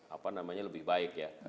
apa namanya lebih baik ya